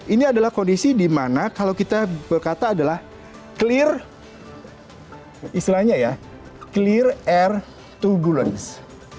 ini adalah kondisi di mana kalau kita berkata adalah clear air turbulence